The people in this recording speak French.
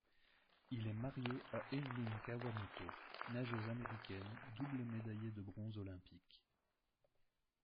Il est marié à Evelyn Kawamoto, nageuse américaine double médaillée de bronze olympique.